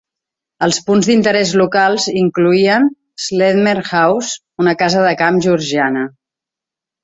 Els punts d'interès locals incloïen Sledmere House, una casa de camp georgiana.